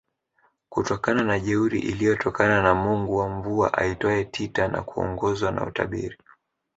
kutokana na jeuri iliyotokana na Mungu wa mvua aitwaye Tita na kuongozwa na utabiri